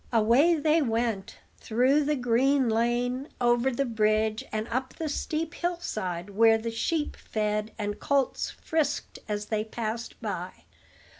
Away they went, through the green lane, over the bridge, and up the steep hillside where the sheep fed and colts frisked as they passed by.